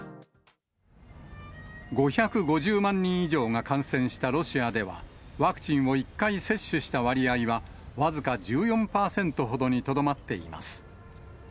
５５０万人以上が感染したロシアでは、ワクチンを１回接種した割合は、僅か１４％ほどにとどまっています。